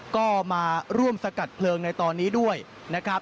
ก็มาร่วมสกัดเพลิงในตอนนี้ด้วยนะครับ